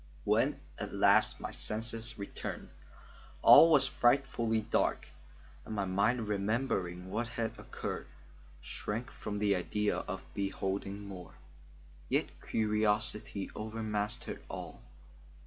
When at last my senses returned, all was frightfully dark, and my mind remembering what had occurred, shrank from the idea of beholding more; yet curiosity overmastered all.